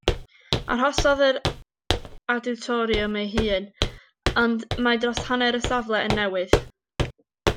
Arhosodd yr awditoriwm ei hun, ond mae dros hanner y safle yn newydd.